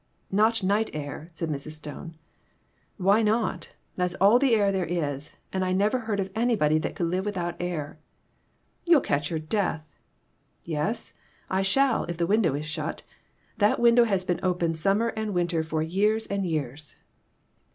"Not night air," said Mrs. Stone. " Why not ? That's all the air there is, and I never heard of anybody that could live without air." "You'll catch your death." " Yes ; I shall if the window is shut. That window has been open, summer and winter, for years and years."